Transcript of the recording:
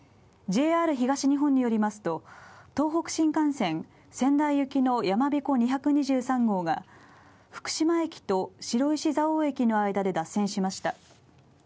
ＪＲ東日本によりますと、東北新幹線仙台行きのやまびこ２２３号が福島駅と白石蔵王駅の間で脱線しました。